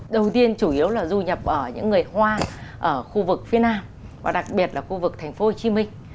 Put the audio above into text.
đầu tiên chủ yếu là du nhập ở những người hoa ở khu vực phía nam và đặc biệt là khu vực thành phố hồ chí minh